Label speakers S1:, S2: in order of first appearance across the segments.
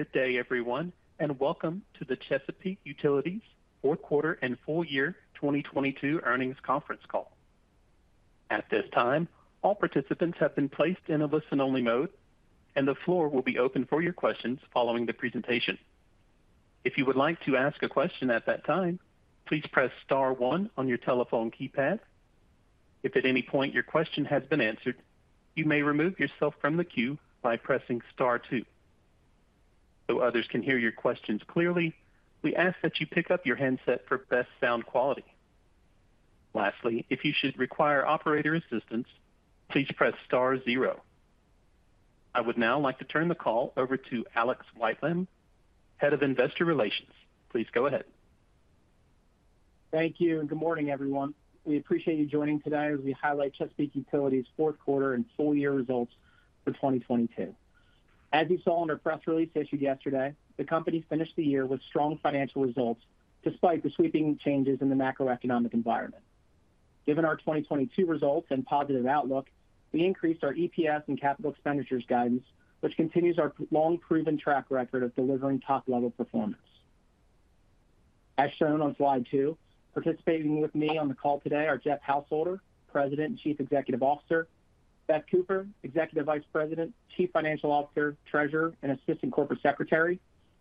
S1: Good day, everyone, and welcome to the Chesapeake Utilities Fourth Quarter and Full Year 2022 earnings conference call. At this time, all participants have been placed in a listen-only mode, and the floor will be open for your questions following the presentation. If you would like to ask a question at that time, please press star one on your telephone keypad. If at any point your question has been answered, you may remove yourself from the queue by pressing star two. Others can hear your questions clearly, we ask that you pick up your handset for best sound quality. Lastly, if you should require operator assistance, please press star zero. I would now like to turn the call over to Alex Whitelam, Head of Investor Relations. Please go ahead.
S2: Thank you, and good morning, everyone. We appreciate you joining today as we highlight Chesapeake Utilities' fourth quarter and full-year results for 2022. As you saw in our press release issued yesterday, the company finished the year with strong financial results despite the sweeping changes in the macroeconomic environment. Given our 2022 results and positive outlook, we increased our EPS and Capital Expenditures guidance, which continues our long proven track record of delivering top-level performance. As shown on slide two, participating with me on the call today are Jeff Householder, President and Chief Executive Officer; Beth Cooper, Executive Vice President, Chief Financial Officer, Treasurer, and Assistant Corporate Secretary;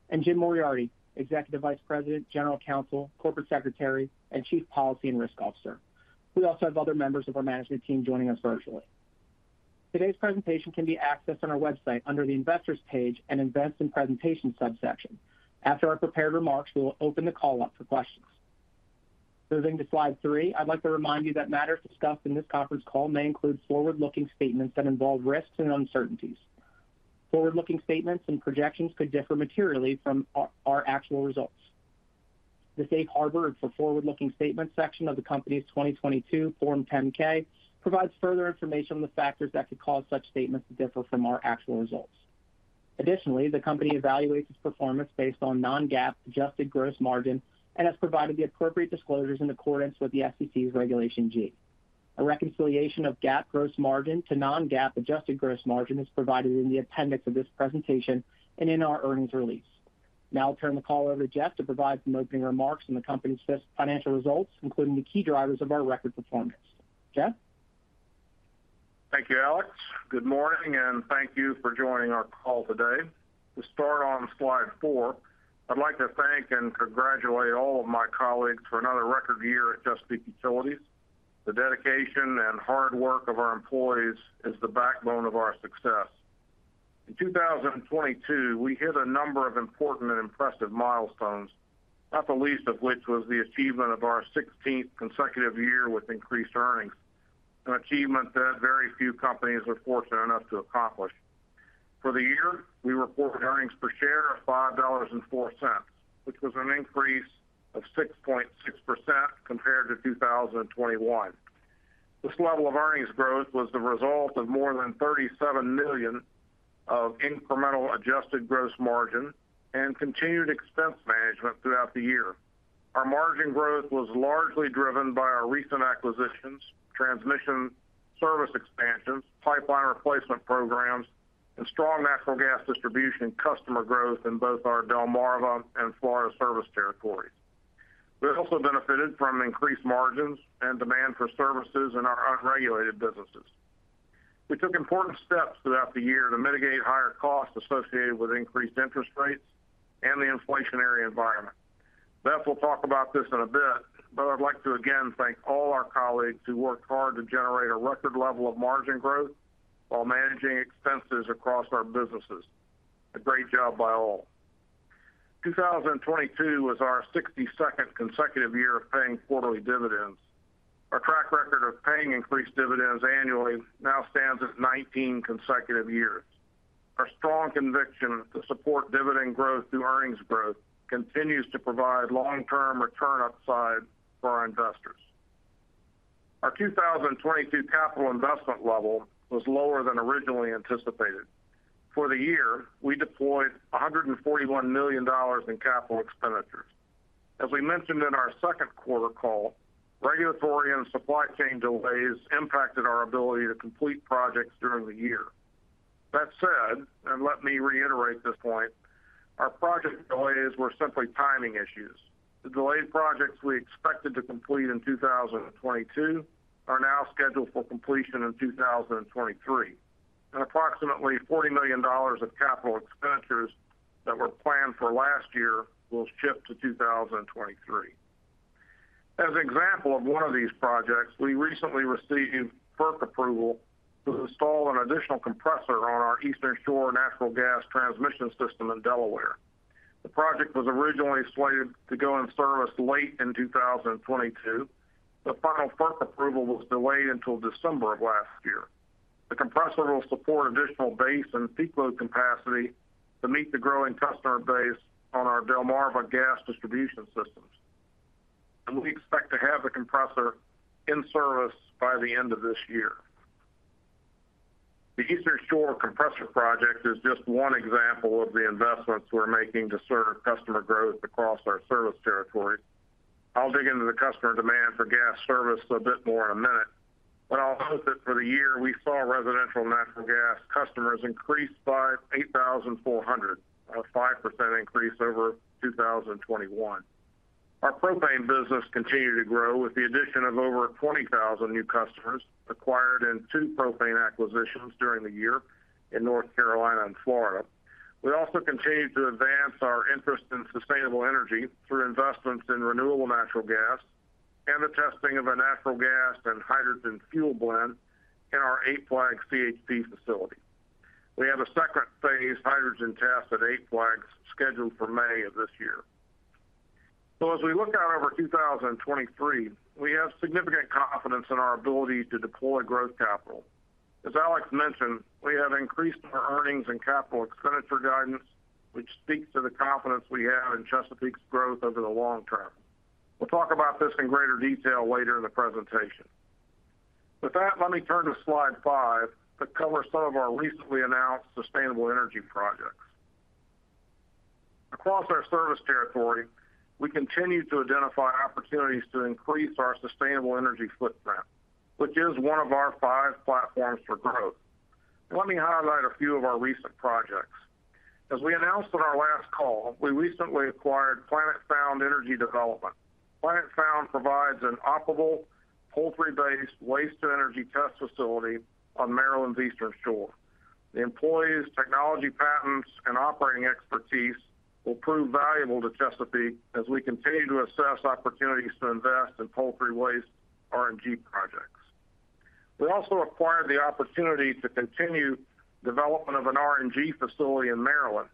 S2: and Jim Moriarty, Executive Vice President, General Counsel, Corporate Secretary, and Chief Policy and Risk Officer. We also have other members of our management team joining us virtually. Today's presentation can be accessed on our website under the Investors page and Invest in Presentation subsection. After our prepared remarks, we will open the call up for questions. Moving to slide three, I'd like to remind you that matters discussed in this conference call may include forward-looking statements that involve risks and uncertainties. Forward-looking statements and projections could differ materially from our actual results. The Safe Harbor for forward-looking statements section of the company's 2022 Form 10-K provides further information on the factors that could cause such statements to differ from our actual results. Additionally, the company evaluates its performance based on non-GAAP adjusted gross margin and has provided the appropriate disclosures in accordance with the SEC's Regulation G. A reconciliation of GAAP gross margin to non-GAAP adjusted gross margin is provided in the appendix of this presentation and in our earnings release. Now I'll turn the call over to Jeff to provide some opening remarks on the company's financial results, including the key drivers of our record performance. Jeff?
S3: Thank you, Alex. Good morning, thank you for joining our call today. To start on slide four, I'd like to thank and congratulate all of my colleagues for another record year at Chesapeake Utilities. The dedication and hard work of our employees is the backbone of our success. In 2022, we hit a number of important and impressive milestones, not the least of which was the achievement of our 16th consecutive year with increased earnings, an achievement that very few companies are fortunate enough to accomplish. For the year, we reported earnings per share of $5.04, which was an increase of 6.6% compared to 2021. This level of earnings growth was the result of more than $37 million of incremental Adjusted Gross Margin and continued expense management throughout the year. Our margin growth was largely driven by our recent acquisitions, transmission service expansions, pipeline replacement programs, and strong Natural Gas Distribution customer growth in both our Delmarva and Florida service territories. We also benefited from increased margins and demand for services in our unregulated businesses. We took important steps throughout the year to mitigate higher costs associated with increased interest rates and the inflationary environment. Beth will talk about this in a bit, but I'd like to again thank all our colleagues who worked hard to generate a record level of margin growth while managing expenses across our businesses. A great job by all. 2022 was our 62nd consecutive year of paying quarterly dividends. Our track record of paying increased dividends annually now stands at 19 consecutive years. Our strong conviction to support dividend growth through earnings growth continues to provide long-term return upside for our investors. Our 2022 capital investment level was lower than originally anticipated. For the year, we deployed $141 million in Capital Expenditures. As we mentioned in our second quarter call, regulatory and supply chain delays impacted our ability to complete projects during the year. That said, and let me reiterate this point, our project delays were simply timing issues. The delayed projects we expected to complete in 2022 are now scheduled for completion in 2023. Approximately $40 million of Capital Expenditures that were planned for last year will shift to 2023. As an example of one of these projects, we recently received FERC approval to install an additional compressor on our Eastern Shore Natural Gas Transmission System in Delaware. The project was originally slated to go in service late in 2022. The final FERC approval was delayed until December of last year. The compressor will support additional base and peak load capacity to meet the growing customer base on our Delmarva gas distribution systems. We expect to have the compressor in service by the end of this year. The Eastern Shore compressor project is just one example of the investments we're making to serve customer growth across our service territories. I'll dig into the customer demand for gas service a bit more in a minute, but I'll note that for the year, we saw residential Natural Gas customers increase by 8,400, a 5% increase over 2021. Our propane business continued to grow with the addition of over 20,000 new customers acquired in two propane acquisitions during the year in North Carolina and Florida. We also continued to advance our interest in sustainable energy through investments in Renewable Natural Gas and the testing of a Natural Gas and hydrogen fuel blend in our Eight Flags CHP facility. We have a second-phase hydrogen test at Eight Flags scheduled for May of this year. As we look out over 2023, we have significant confidence in our ability to deploy growth capital. As Alex mentioned, we have increased our earnings and capital expenditure guidance, which speaks to the confidence we have in Chesapeake's growth over the long term. We'll talk about this in greater detail later in the presentation. With that, let me turn to slide five to cover some of our recently announced sustainable energy projects. Across our service territory, we continue to identify opportunities to increase our sustainable energy footprint, which is one of our five platforms for growth. Let me highlight a few of our recent projects. As we announced on our last call, we recently acquired Planet Found Energy Development. Planet Found provides an operable poultry-based waste to energy test facility on Maryland's Eastern Shore. The employees, technology patents, and operating expertise will prove valuable to Chesapeake as we continue to assess opportunities to invest in poultry waste RNG projects. We also acquired the opportunity to continue development of an RNG facility in Maryland,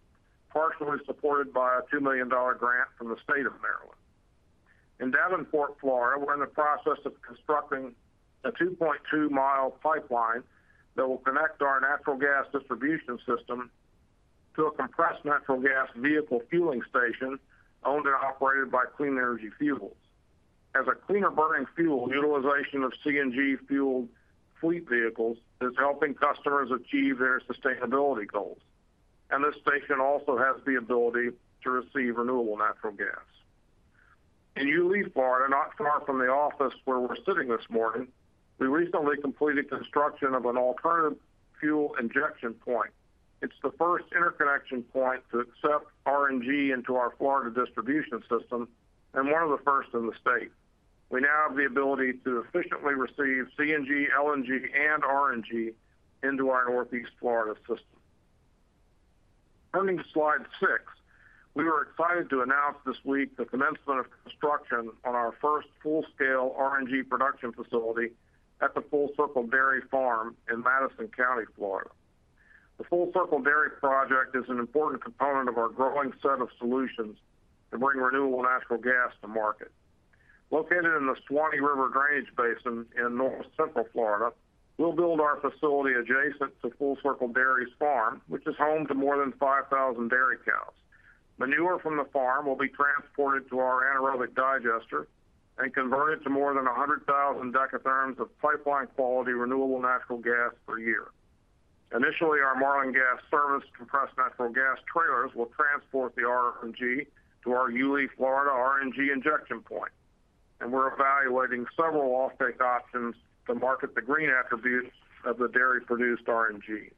S3: partially supported by a $2 million grant from the state of Maryland. In Davenport, Florida, we're in the process of constructing a 2.2-mile pipeline that will connect our Natural Gas Distribution system to a Compressed Natural Gas vehicle fueling station owned and operated by Clean Energy Fuels. As a cleaner burning fuel, utilization of CNG fuel fleet vehicles is helping customers achieve their sustainability goals. This station also has the ability to receive Renewable Natural Gas. In Yulee, Florida, not far from the office where we're sitting this morning, we recently completed construction of an alternative fuel injection point. It's the first interconnection point to accept RNG into our Florida distribution system and one of the first in the state. We now have the ability to efficiently receive CNG, LNG, and RNG into our Northeast Florida system. Turning to slide six. We were excited to announce this week the commencement of construction on our first full-scale RNG production facility at the Full Circle Dairy Farm in Madison County, Florida. The Full Circle Dairy project is an important component of our growing set of solutions to bring Renewable Natural Gas to market. Located in the Suwannee River drainage basin in North Central Florida, we'll build our facility adjacent to Full Circle Dairy's farm, which is home to more than 5,000 dairy cows. Manure from the farm will be transported to our anaerobic digester and converted to more than 100,000 dekatherms of pipeline-quality Renewable Natural Gas per year. Initially, our Marlin Gas Services, Compressed Natural Gas trailers will transport the RNG to our Yulee, Florida, RNG injection point, and we're evaluating several offtake options to market the green attributes of the dairy-produced RNG.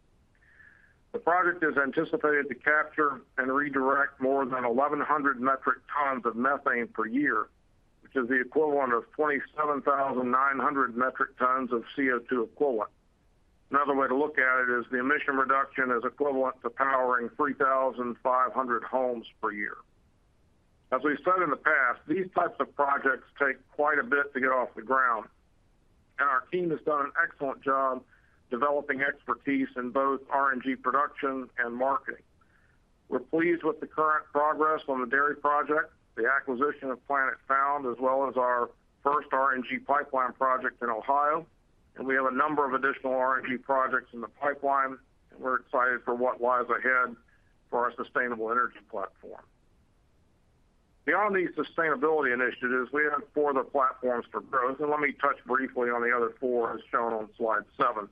S3: The project is anticipated to capture and redirect more than 1,100 metric tons of methane per year, which is the equivalent of 27,900 metric tons of CO₂ equivalent. Another way to look at it is the emission reduction is equivalent to powering 3,500 homes per year. As we've said in the past, these types of projects take quite a bit to get off the ground, and our team has done an excellent job developing expertise in both RNG production and marketing. We're pleased with the current progress on the dairy project, the acquisition of Planet Found, as well as our first RNG pipeline project in Ohio, and we have a number of additional RNG projects in the pipeline, and we're excited for what lies ahead for our sustainable energy platform. Beyond these sustainability initiatives, we have four other platforms for growth, and let me touch briefly on the other four as shown on slide seven.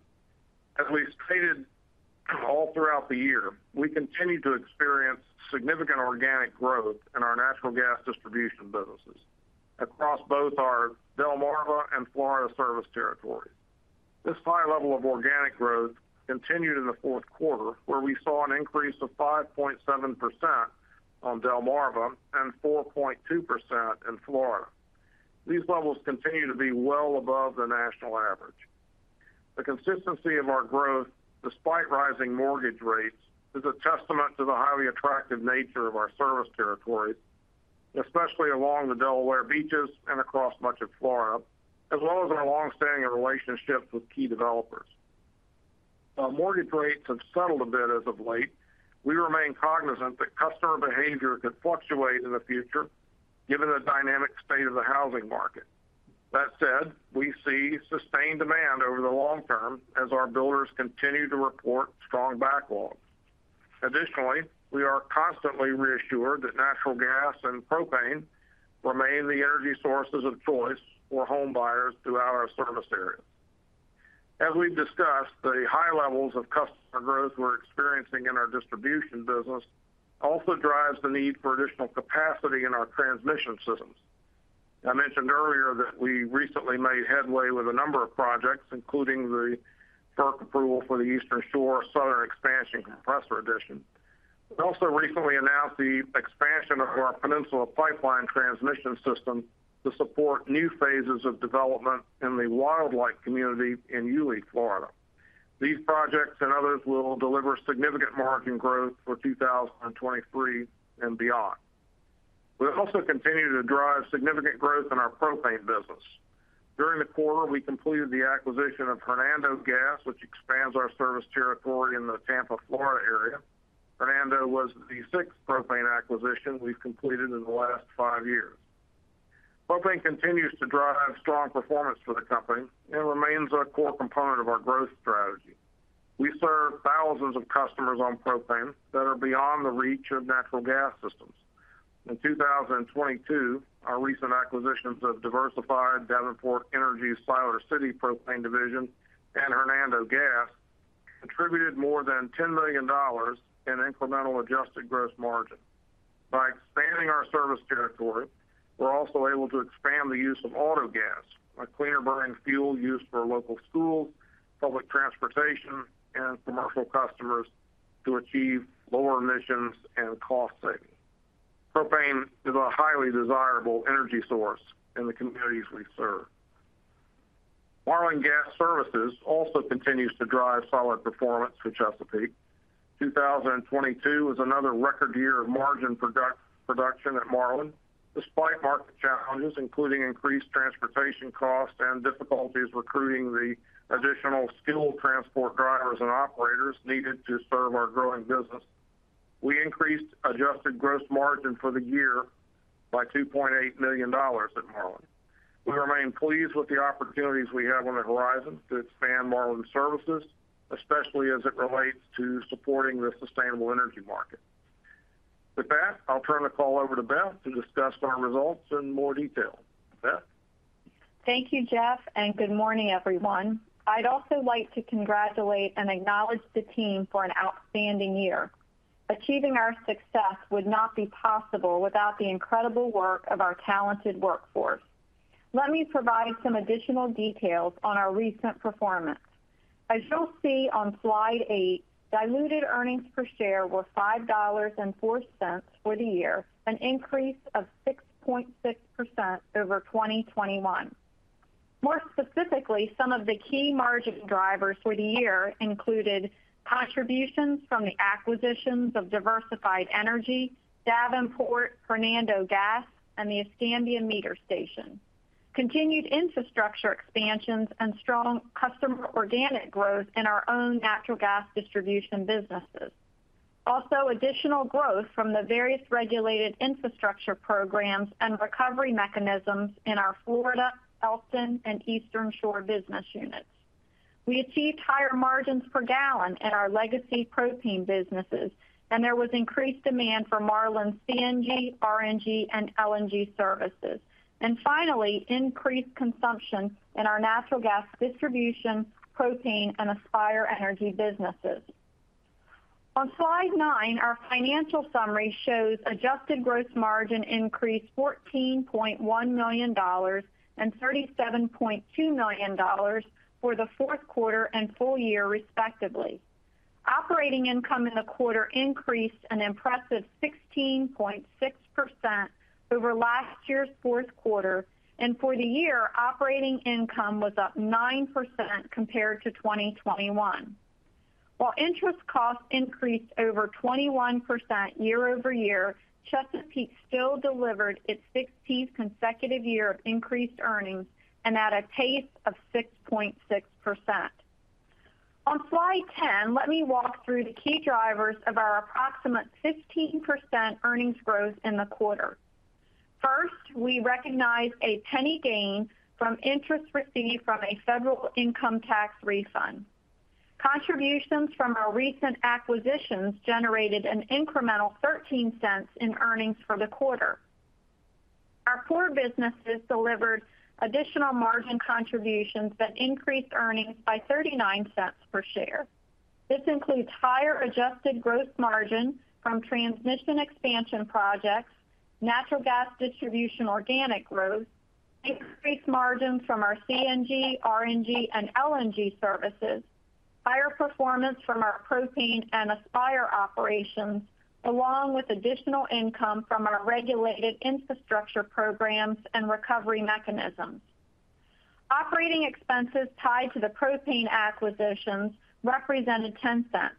S3: As we've stated all throughout the year, we continue to experience significant organic growth in our Natural Gas Distribution businesses across both our Delmarva and Florida service territories. This high level of organic growth continued in the fourth quarter, where we saw an increase of 5.7% on Delmarva and 4.2% in Florida. These levels continue to be well above the national average. The consistency of our growth, despite rising mortgage rates, is a testament to the highly attractive nature of our service territories, especially along the Delaware beaches and across much of Florida, as well as our long-standing relationships with key developers. Mortgage rates have settled a bit as of late, we remain cognizant that customer behavior could fluctuate in the future given the dynamic state of the housing market. That said, we see sustained demand over the long term as our builders continue to report strong backlogs. Additionally, we are constantly reassured that Natural Gas and propane remain the energy sources of choice for homebuyers throughout our service area. As we've discussed, the high levels of customer growth we're experiencing in our distribution business also drives the need for additional capacity in our transmission systems. I mentioned earlier that we recently made headway with a number of projects, including the FERC approval for the Eastern Shore Southern Expansion Compressor Addition. We also recently announced the expansion of our Peninsula Pipeline Transmission System to support new phases of development in the Wildlight community in Yulee, Florida. These projects and others will deliver significant margin growth for 2023 and beyond. We've also continued to drive significant growth in our propane business. During the quarter, we completed the acquisition of Hernando Gas, which expands our service territory in the Tampa, Florida area. Hernando was the sixth propane acquisition we've completed in the last five years. Propane continues to drive strong performance for the company and remains a core component of our growth strategy. We serve thousands of customers on propane that are beyond the reach of Natural Gas systems. In 2022, our recent acquisitions of Diversified, Davenport Energy's Siler City propane division, and Hernando Gas contributed more than $10 million in incremental adjusted gross margin. By expanding our service territory, we're also able to expand the use of autogas, a cleaner-burning fuel used for local schools, public transportation, and commercial customers to achieve lower emissions and cost savings. Propane is a highly desirable energy source in the communities we serve. Marlin Gas Services also continues to drive solid performance for Chesapeake. 2022 was another record year of margin product-production at Marlin. Despite market challenges, including increased transportation costs and difficulties recruiting the additional skilled transport drivers and operators needed to serve our growing business. We increased adjusted gross margin for the year by $2.8 million at Marlin. We remain pleased with the opportunities we have on the horizon to expand Marlin's services, especially as it relates to supporting the sustainable energy market. With that, I'll turn the call over to Beth to discuss our results in more detail. Beth?
S4: Thank you, Jeff. Good morning, everyone. I'd also like to congratulate and acknowledge the team for an outstanding year. Achieving our success would not be possible without the incredible work of our talented workforce. Let me provide some additional details on our recent performance. As you'll see on slide eight, diluted earnings per share were $5.04 for the year, an increase of 6.6% over 2021. More specifically, some of the key margin drivers for the year included contributions from the acquisitions of Diversified Energy, Davenport, Hernando Gas, and the Escambia Meter Station. Continued infrastructure expansions and strong customer organic growth in our own Natural Gas Distribution businesses. Additional growth from the various Regulated Infrastructure Programs and recovery mechanisms in our Florida, Elkton, and Eastern Shore business units. We achieved higher margins per gallon in our legacy propane businesses, and there was increased demand for Marlin's CNG, RNG, and LNG services. Finally, increased consumption in our Natural Gas Distribution, propane, and Aspire Energy businesses. On slide nine, our financial summary shows adjusted gross margin increased $14.1 million and 37.2 million for the fourth quarter and full year respectively. Operating income in the quarter increased an impressive 16.6% over last year's fourth quarter. For the year, operating income was up 9% compared to 2021. While interest costs increased over 21% year-over-year, Chesapeake still delivered its sixteenth consecutive year of increased earnings and at a pace of 6.6%. On slide 10, let me walk through the key drivers of our approximate 15% earnings growth in the quarter. First, we recognize a $0.01 gain from interest received from a federal income tax refund. Contributions from our recent acquisitions generated an incremental $0.13 in earnings for the quarter. Our core businesses delivered additional margin contributions that increased earnings by $0.39 per share. This includes higher adjusted gross margin from transmission expansion projects, Natural Gas Distribution organic growth, increased margins from our CNG, RNG, and LNG services, higher performance from our propane and Aspire operations, along with additional income from our Regulated Infrastructure Programs and recovery mechanisms. Operating expenses tied to the propane acquisitions represented $0.10.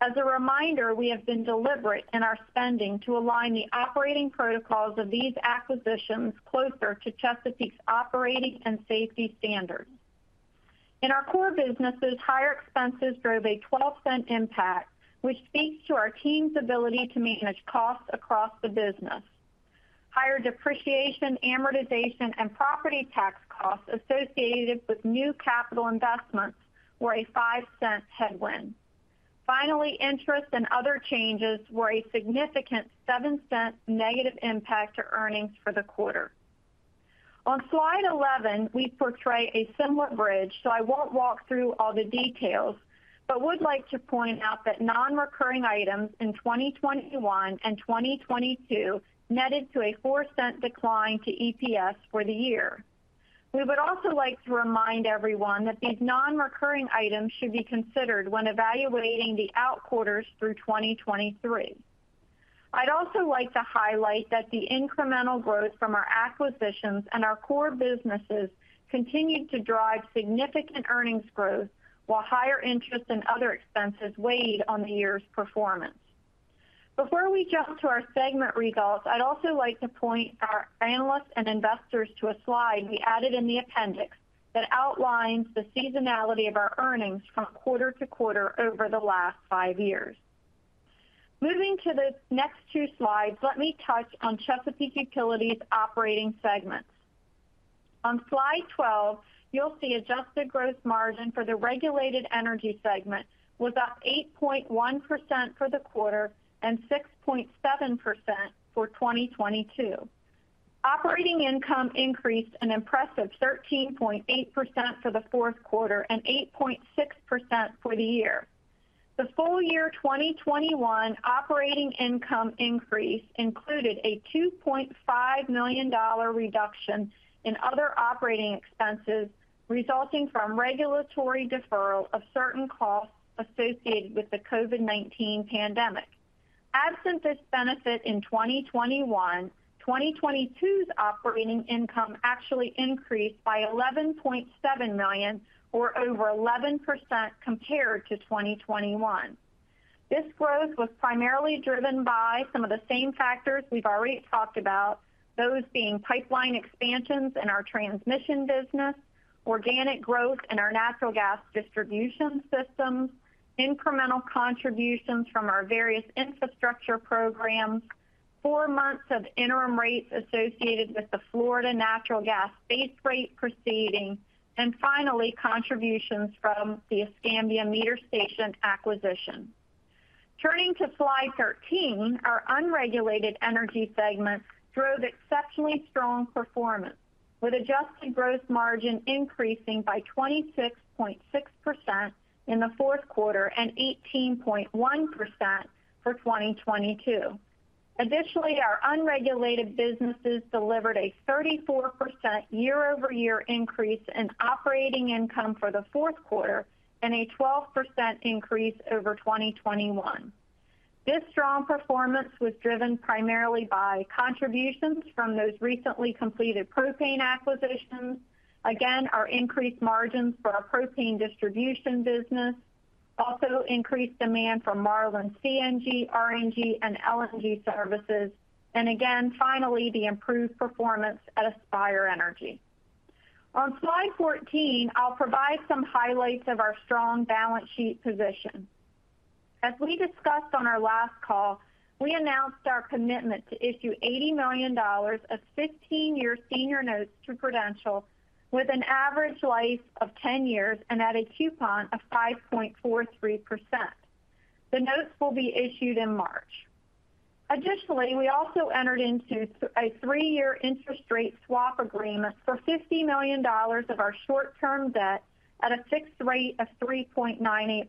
S4: As a reminder, we have been deliberate in our spending to align the operating protocols of these acquisitions closer to Chesapeake's operating and safety standards. In our core businesses, higher expenses drove a $0.12 impact, which speaks to our team's ability to manage costs across the business. Higher depreciation, amortization, and property tax costs associated with new capital investments were a $0.05 headwind. Interest and other changes were a significant $0.07 negative impact to earnings for the quarter. On slide 11, we portray a similar bridge, so I won't walk through all the details, but would like to point out that non-recurring items in 2021 and 2022 netted to a $0.04 decline to EPS for the year. We would also like to remind everyone that these non-recurring items should be considered when evaluating the out quarters through 2023. I'd also like to highlight that the incremental growth from our acquisitions and our core businesses continued to drive significant earnings growth, while higher interest and other expenses weighed on the year's performance. Before we jump to our segment results, I'd also like to point our analysts and investors to a slide we added in the appendix that outlines the seasonality of our earnings from quarter to quarter over the last 5 years. Moving to the next two slides, let me touch on Chesapeake Utilities operating segments. On slide 12, you'll see adjusted gross margin for the regulated energy segment was up 8.1% for the quarter and 6.7% for 2022. Operating income increased an impressive 13.8% for the fourth quarter and 8.6% for the year. The full year 2021 operating income increase included a $2.5 million reduction in other operating expenses resulting from regulatory deferral of certain costs associated with the COVID-19 pandemic. Absent this benefit in 2021, 2022's operating income actually increased by $11.7 million or over 11% compared to 2021. This growth was primarily driven by some of the same factors we've already talked about, those being Pipeline Expansions in our transmission business, organic growth in our Natural Gas Distribution systems, incremental contributions from our various infrastructure programs, four months of interim rates associated with the Florida Natural Gas base rate proceeding, and finally, contributions from the Escambia Meter Station acquisition. Turning to slide 13, our unregulated energy segment drove exceptionally strong performance with adjusted gross margin increasing by 26.6% in the fourth quarter and 18.1% for 2022. Our unregulated businesses delivered a 34% year-over-year increase in operating income for the fourth quarter and a 12% increase over 2021. This strong performance was driven primarily by contributions from those recently completed propane acquisitions. Again, our increased margins for our Propane Distribution Business also increased demand from Marlin CNG, RNG, and LNG services. Again, finally, the improved performance at Aspire Energy. On slide 14, I'll provide some highlights of our strong balance sheet position. As we discussed on our last call, we announced our commitment to issue $80 million of 15-year senior notes to Prudential with an average life of 10 years and at a coupon of 5.43%. The notes will be issued in March. Additionally, we also entered into a three-year interest rate swap agreement for $50 million of our short-term debt at a fixed rate of 3.98%.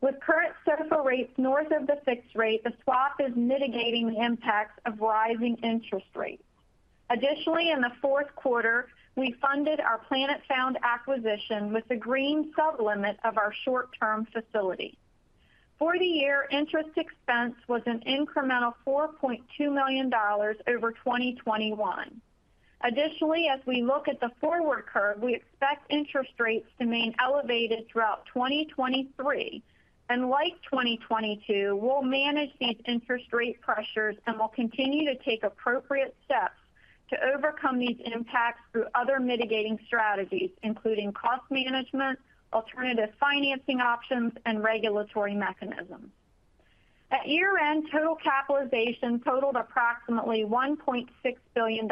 S4: With current SOFR rates north of the fixed rate, the swap is mitigating the impacts of rising interest rates. Additionally, in the fourth quarter, we funded our Planet Found acquisition with the green sub limit of our short-term facility. For the year, interest expense was an incremental $4.2 million over 2021. Additionally, as we look at the forward curve, we expect interest rates to remain elevated throughout 2023. Like 2022, we'll manage these interest rate pressures, and we'll continue to take appropriate steps to overcome these impacts through other mitigating strategies, including cost management, alternative financing options, and regulatory mechanisms. At year-end, total capitalization totaled approximately $1.6 billion.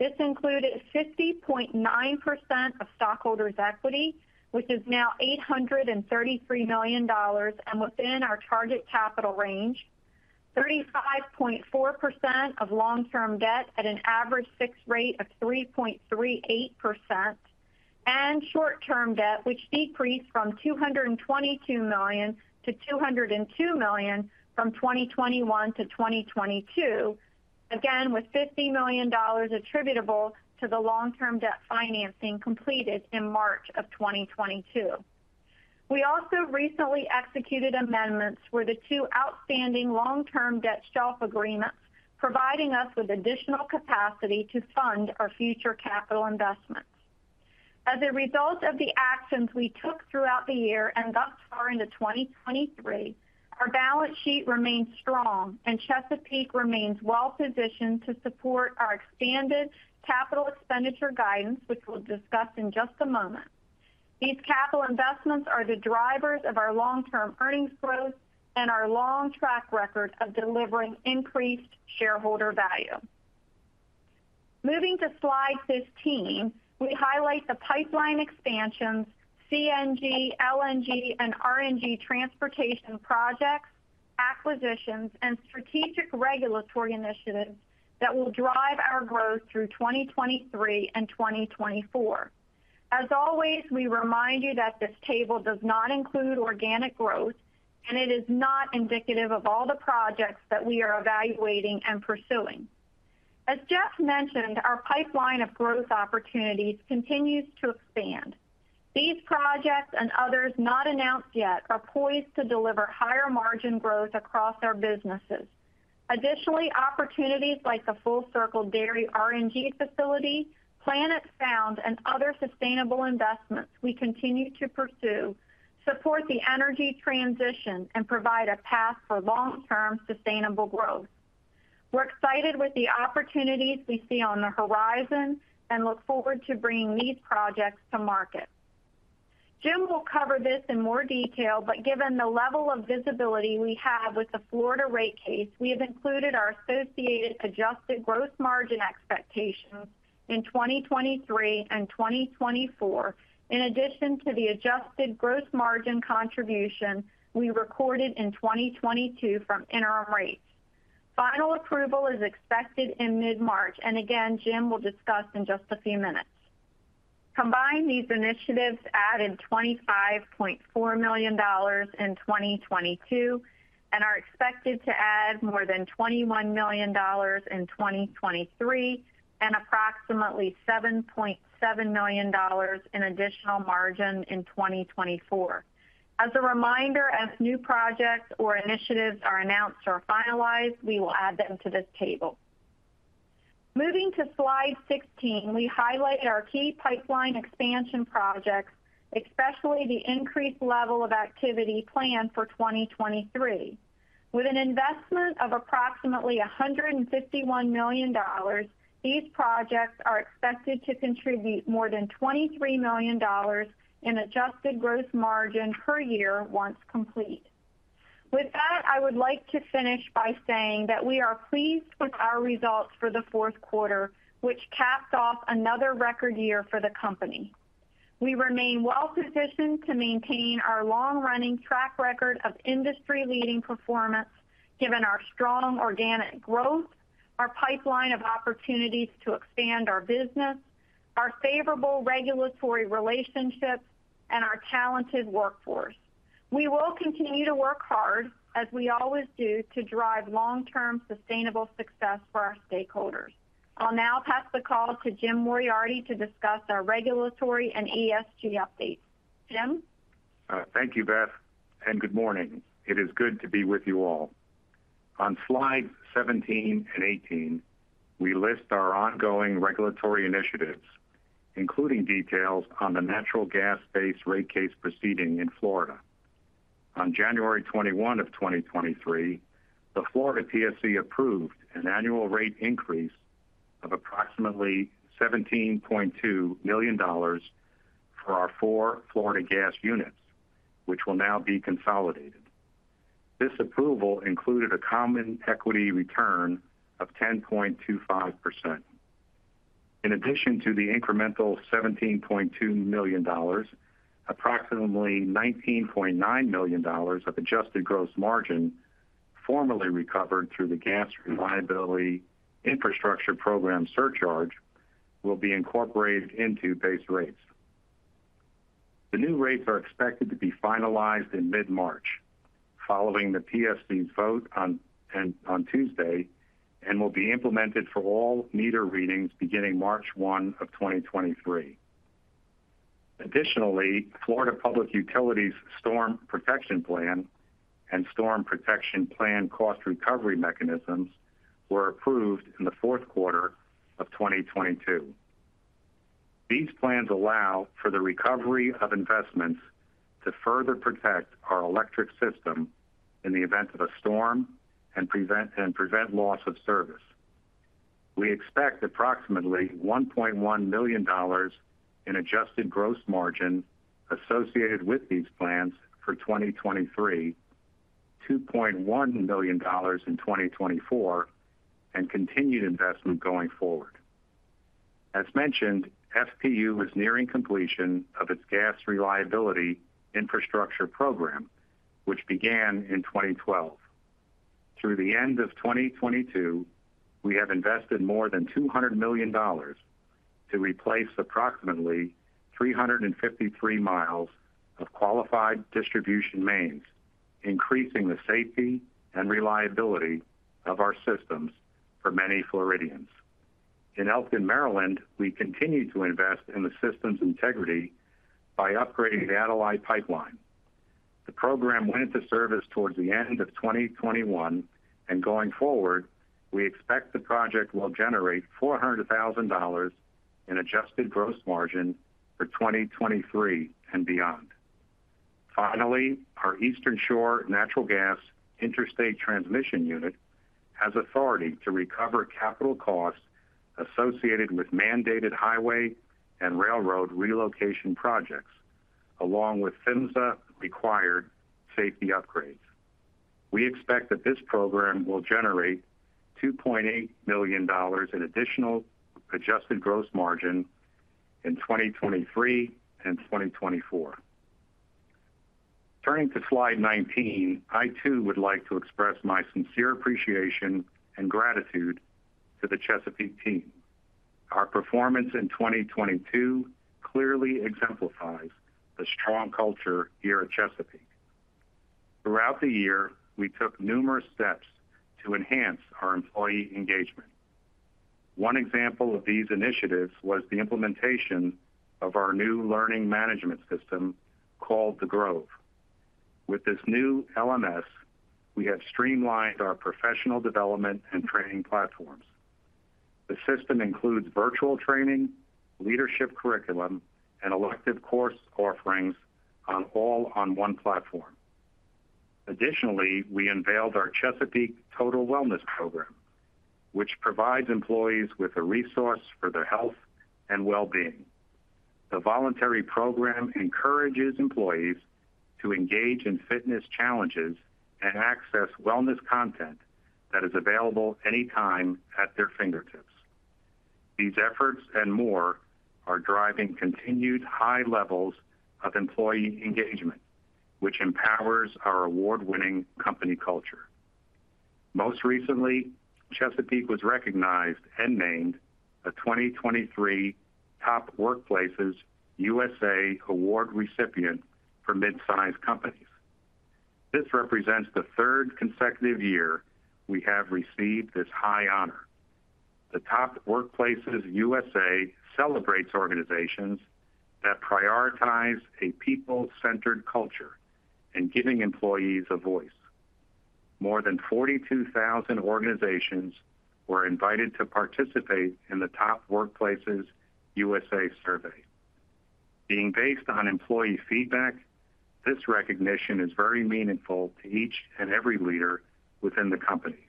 S4: This included 50.9% of stockholders' equity, which is now $833 million and within our target capital range, 35.4% of long-term debt at an average fixed rate of 3.38%, and short-term debt, which decreased from $222 million to 202 million from 2021 to 2022. Again, with $50 million attributable to the long-term debt financing completed in March of 2022. We also recently executed amendments for the two outstanding long-term debt shelf agreements, providing us with additional capacity to fund our future capital investments. As a result of the actions we took throughout the year and thus far into 2023, our balance sheet remains strong, and Chesapeake remains well positioned to support our expanded capital expenditure guidance, which we'll discuss in just a moment. These capital investments are the drivers of our long-term earnings growth and our long track record of delivering increased shareholder value. Moving to slide 15, we highlight the Pipeline Expansions, CNG, LNG, and RNG transportation projects, acquisitions, and Strategic Regulatory Initiatives that will drive our growth through 2023 and 2024. As always, we remind you that this table does not include organic growth, and it is not indicative of all the projects that we are evaluating and pursuing. As Jeff mentioned, our pipeline of growth opportunities continues to expand. These projects and others not announced yet are poised to deliver higher margin growth across our businesses. Additionally, opportunities like the Full Circle Dairy RNG facility, Planet Found, and other sustainable investments we continue to pursue support the energy transition and provide a path for long-term sustainable growth. We're excited with the opportunities we see on the horizon and look forward to bringing these projects to market. Jim will cover this in more detail, but given the level of visibility we have with the Florida rate case, we have included our associated adjusted gross margin expectations in 2023 and 2024, in addition to the adjusted gross margin contribution we recorded in 2022 from interim rates. Final approval is expected in mid-March. Again, Jim will discuss in just a few minutes. Combined, these initiatives added $25.4 million in 2022 and are expected to add more than $21 million in 2023 and approximately $7.7 million in additional margin in 2024. As a reminder, as new projects or initiatives are announced or finalized, we will add them to this table. Moving to slide 16, we highlight our key pipeline expansion projects, especially the increased level of activity planned for 2023. With an investment of approximately $151 million, these projects are expected to contribute more than $23 million in adjusted gross margin per year once complete. I would like to finish by saying that we are pleased with our results for the fourth quarter, which capped off another record year for the company. We remain well-positioned to maintain our long-running track record of industry-leading performance given our strong organic growth, our pipeline of opportunities to expand our business, our favorable regulatory relationships, and our talented workforce. We will continue to work hard as we always do to drive long-term sustainable success for our stakeholders. I'll now pass the call to Jim Moriarty to discuss our regulatory and ESG updates. Jim?
S5: Thank you, Beth, and good morning. It is good to be with you all. On slide 17 and 18, we list our ongoing Regulatory Initiatives, including details on the Natural Gas-based rate case proceeding in Florida. On January 21, 2023, the Florida PSC approved an annual rate increase of approximately $17.2 million for our four Florida gas units, which will now be consolidated. This approval included a common equity return of 10.25%. In addition to the incremental $17.2 million, approximately $19.9 million of adjusted gross margin, formerly recovered through the Gas Reliability Infrastructure Program surcharge, will be incorporated into base rates. The new rates are expected to be finalized in mid-March, following the PSC's vote on Tuesday and will be implemented for all meter readings beginning March 1, 2023. Additionally, Florida Public Utilities Storm Protection Plan and Storm Protection Plan cost recovery mechanisms were approved in the fourth quarter of 2022. These plans allow for the recovery of investments to further protect our electric system in the event of a storm and prevent loss of service. We expect approximately $1.1 million in adjusted gross margin associated with these plans for 2023, $2.1 million in 2024, and continued investment going forward. As mentioned, FPU is nearing completion of its Gas Reliability Infrastructure Program, which began in 2012. Through the end of 2022, we have invested more than $200 million to replace approximately 353 miles of qualified distribution mains, increasing the safety and reliability of our systems for many Floridians. In Elkton, Maryland, we continue to invest in the system's integrity by upgrading the Adelaide Pipeline. The program went into service towards the end of 2021. Going forward, we expect the project will generate $400,000 in Adjusted Gross Margin for 2023 and beyond. Finally, our Eastern Shore Natural Gas Interstate Transmission unit has authority to recover capital costs associated with mandated highway and railroad relocation projects, along with PHMSA-required safety upgrades. We expect that this program will generate $2.8 million in additional Adjusted Gross Margin in 2023 and 2024. Turning to slide 19, I too would like to express my sincere appreciation and gratitude to the Chesapeake team. Our performance in 2022 clearly exemplifies the strong culture here at Chesapeake. Throughout the year, we took numerous steps to enhance our employee engagement. One example of these initiatives was the implementation of our new learning management system called The Grove. With this new LMS, we have streamlined our professional development and training platforms. The system includes virtual training, leadership curriculum, and elective course offerings all on one platform. Additionally, we unveiled our Chesapeake Total Wellness program, which provides employees with a resource for their health and well-being. The voluntary program encourages employees to engage in fitness challenges and access wellness content that is available anytime at their fingertips. These efforts and more are driving continued high levels of employee engagement, which empowers our award-winning company culture. Most recently, Chesapeake was recognized and named a 2023 Top Workplaces USA award recipient for mid-sized companies. This represents the third consecutive year we have received this high honor. The Top Workplaces USA celebrates organizations that prioritize a people-centered culture and giving employees a voice. More than 42,000 organizations were invited to participate in the Top Workplaces USA survey. Being based on employee feedback, this recognition is very meaningful to each and every leader within the company.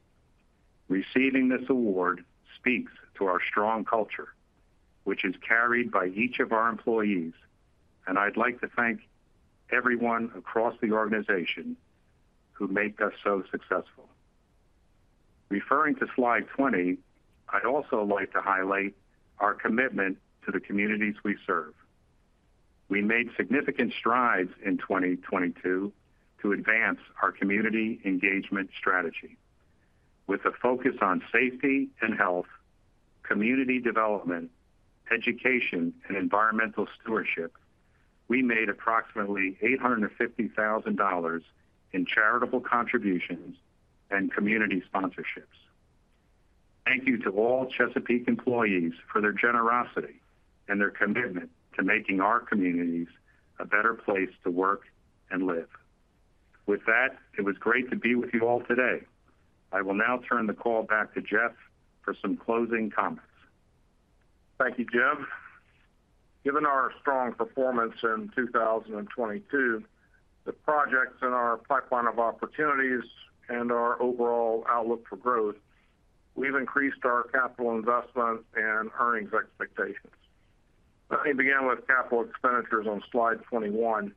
S5: Receiving this award speaks to our strong culture, which is carried by each of our employees, and I'd like to thank everyone across the organization who make us so successful. Referring to slide 20, I'd also like to highlight our commitment to the communities we serve. We made significant strides in 2022 to advance our community engagement strategy. With a focus on safety and health, community development, education, and environmental stewardship, we made approximately $850,000 in charitable contributions and community sponsorships. Thank you to all Chesapeake employees for their generosity and their commitment to making our communities a better place to work and live. With that, it was great to be with you all today. I will now turn the call back to Jeff for some closing comments.
S3: Thank you, Jim. Given our strong performance in 2022, the projects in our pipeline of opportunities and our overall outlook for growth, we've increased our capital investment and earnings expectations. Let me begin with Capital Expenditures on slide 21,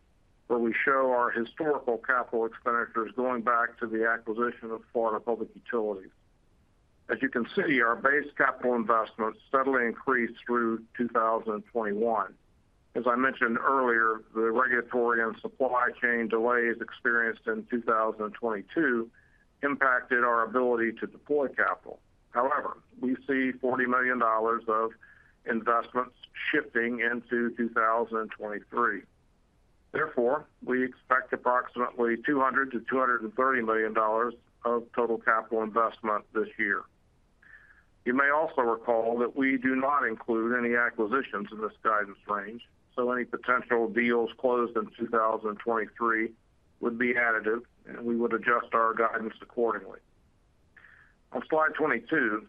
S3: where we show our historical Capital Expenditures going back to the acquisition of Florida Public Utilities. As you can see, our base capital investments steadily increased through 2021. As I mentioned earlier, the regulatory and supply chain delays experienced in 2022 impacted our ability to deploy capital. We see $40 million of investments shifting into 2023. We expect approximately $200 million-230 million of total capital investment this year. You may also recall that we do not include any acquisitions in this guidance range. Any potential deals closed in 2023 would be additive, and we would adjust our guidance accordingly. On slide 22,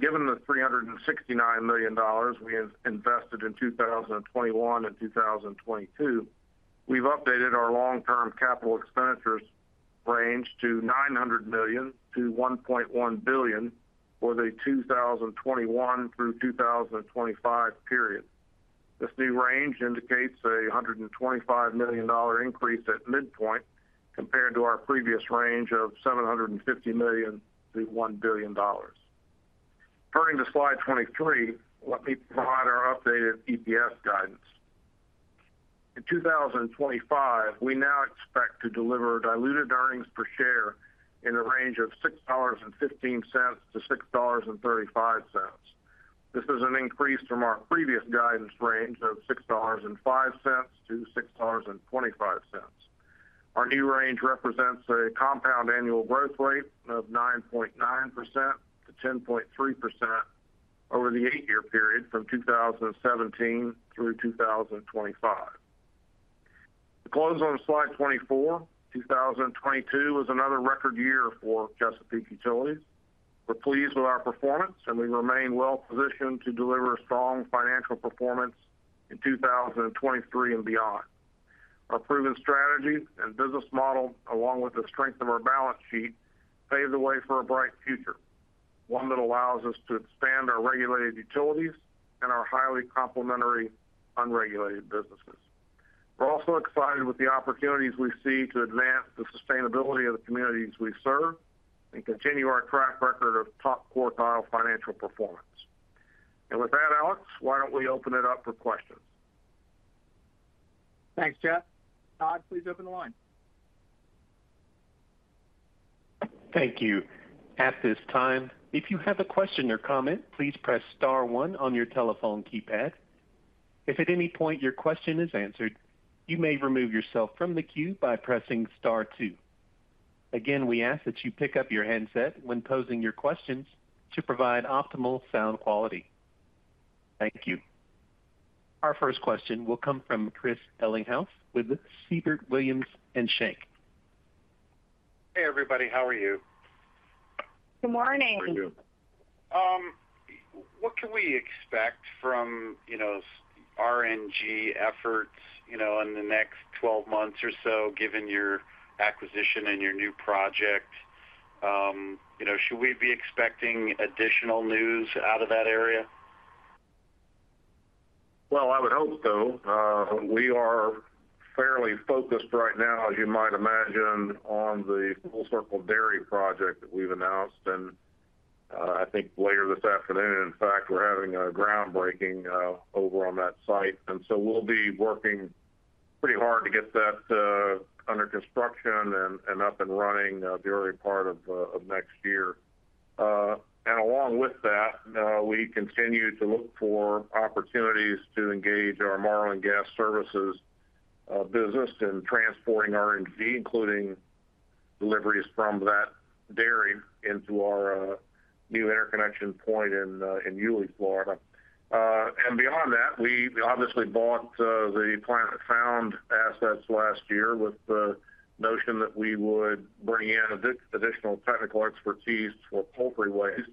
S3: given the $369 million we have invested in 2021 and 2022, we've updated our long-term Capital Expenditures range to $900 million-1.1 billion for the 2021 through 2025 period. This new range indicates a $125 million increase at midpoint compared to our previous range of $750 million-1 billion. Turning to slide 23, let me provide our updated EPS guidance. In 2025, we now expect to deliver diluted earnings per share in a range of $6.15-6.35. This is an increase from our previous guidance range of $6.05-6.25. Our new range represents a compound annual growth rate of 9.9%-10.3% over the eight-year period from 2017 through 2025. To close on slide 24, 2022 was another record year for Chesapeake Utilities. We're pleased with our performance, we remain well positioned to deliver strong financial performance in 2023 and beyond. Our proven strategy and business model, along with the strength of our balance sheet, paves the way for a bright future. One that allows us to expand our regulated utilities and our highly complementary unregulated businesses. We're also excited with the opportunities we see to advance the sustainability of the communities we serve and continue our track record of top quartile financial performance. With that, Alex, why don't we open it up for questions?
S2: Thanks, Jeff. Todd, please open the line.
S1: Thank you. At this time, if you have a question or comment, please press star one on your telephone keypad. If at any point your question is answered, you may remove yourself from the queue by pressing star two. Again, we ask that you pick up your handset when posing your questions to provide optimal sound quality. Thank you. Our first question will come from Chris Ellinghaus with Siebert Williams Shank.
S6: Hey, everybody. How are you?
S4: Good morning.
S3: How are you?
S6: What can we expect from, you know, RNG efforts, you know, in the next 12 months or so, given your acquisition and your new project? You know, should we be expecting additional news out of that area?
S3: Well, I would hope so. We are fairly focused right now, as you might imagine, on the Full Circle Dairy project that we've announced, and I think later this afternoon, in fact, we're having a groundbreaking over on that site. We'll be working pretty hard to get that under construction and up and running the early part of next year. Along with that, we continue to look for opportunities to engage our Marlin Gas Services business in transporting RNG, including deliveries from that dairy into our new interconnection point in Yulee, Florida. Beyond that, we obviously bought the Planet Found assets last year with the notion that we would bring in additional technical expertise for poultry waste,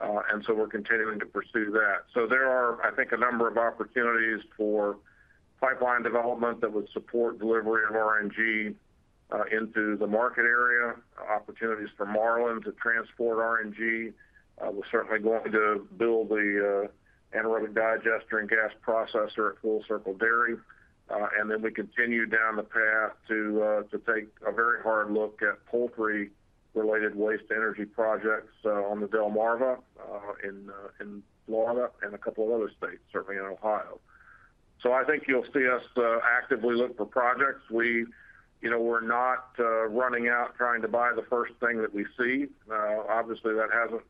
S3: and so we're continuing to pursue that. There are, I think, a number of opportunities for pipeline development that would support delivery of RNG into the market area, opportunities for Marlin to transport RNG. We're certainly going to build the anaerobic digester and gas processor at Full Circle Dairy, and then we continue down the path to take a very hard look at poultry-related waste energy projects on the Delmarva, in Florida, and a couple of other states, certainly in Ohio. I think you'll see us actively look for projects. We you know, we're not running out trying to buy the first thing that we see. Obviously, that hasn't,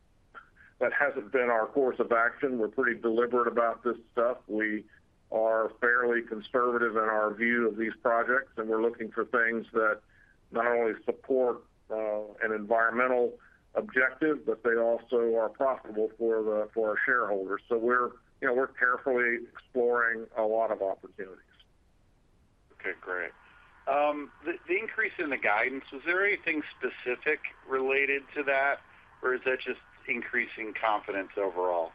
S3: that hasn't been our course of action. We're pretty deliberate about this stuff. We are fairly conservative in our view of these projects, and we're looking for things that not only support an environmental objective, but they also are profitable for our shareholders. We're, you know, we're carefully exploring a lot of opportunities.
S6: Okay, great. The increase in the guidance, is there anything specific related to that, or is that just increasing confidence overall?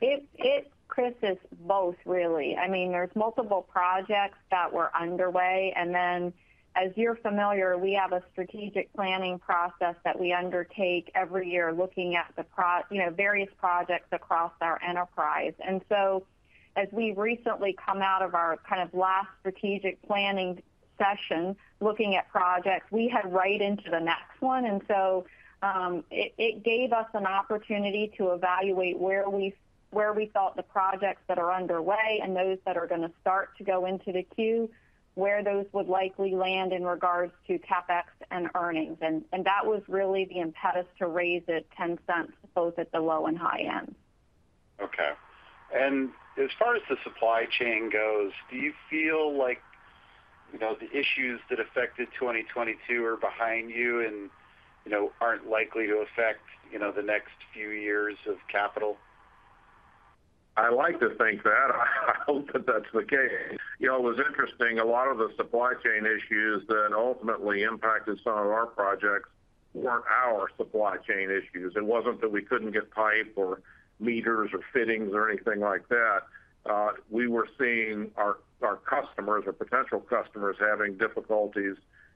S4: It, Chris, is both really. I mean, there's multiple projects that were underway, and then as you're familiar, we have a strategic planning process that we undertake every year looking at the you know, various projects across our enterprise. As we recently come out of our kind of last strategic planning session looking at projects, we head right into the next one. It gave us an opportunity to evaluate where we, where we felt the projects that are underway and those that are gonna start to go into the queue, where those would likely land in regards to CapEx and earnings. That was really the impetus to raise it $0.10, both at the low and high end.
S6: Okay. As far as the supply chain goes, do you feel like, you know, the issues that affected 2022 are behind you and, you know, aren't likely to affect, you know, the next few years of capital?
S3: I like to think that. I hope that that's the case. You know, what's interesting, a lot of the supply chain issues that ultimately impacted some of our projects weren't our supply chain issues. It wasn't that we couldn't get pipe or meters or fittings or anything like that. We were seeing our customers or potential customers having difficulties,